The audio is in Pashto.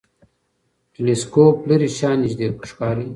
ټلسکوپ لرې شیان نږدې ښکاري.